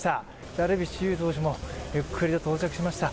ダルビッシュ有投手もゆっくりと到着しました。